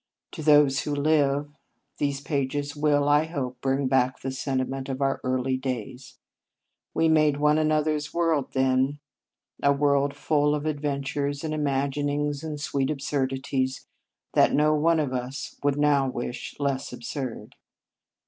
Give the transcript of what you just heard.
To those who live, these pages will, I hope, bring back the sentiment of our early days. We made one an other s world then, a world full of adventures, and imaginings, and sweet absurdities that no one of us would now wish less absurd.